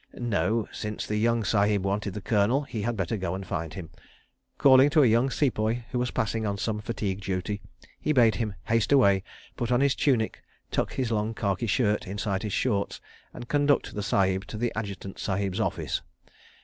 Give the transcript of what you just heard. No—since the young Sahib wanted the Colonel, he had better go and find him. Calling to a young Sepoy who was passing on some fatigue duty, he bade him haste away, put on his tunic, tuck his long khaki shirt inside his shorts, and conduct the Sahib to the Adjutant Sahib's office.